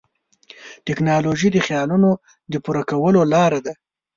ټیکنالوژي د خیالونو د پوره کولو لاره ده.